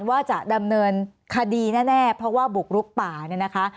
ว่าจะดำเนินคดีแน่เพราะว่าบุกลุกป่าเนี่ยนะคะ